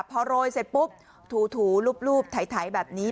พอโรยเสร็จปุ๊บถูรูปถ่ายแบบนี้